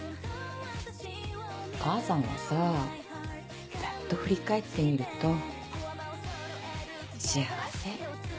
お母さんはさぁざっと振り返ってみると幸せ。